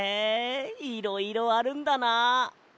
いろいろあるんだな！